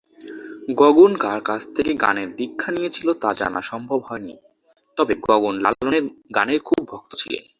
গগন কার কাছ থেকে গানের দীক্ষা নিয়েছিলেন তা জানা সম্ভব হয়নি, তবে গগন লালনের গানের খুব ভক্ত ছিলেন।